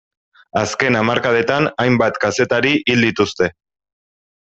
Azken hamarkadetan hainbat kazetari hil dituzte.